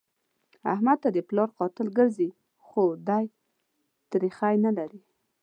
احمد ته د پلار قاتل ګرځي؛ خو دی تريخی نه لري.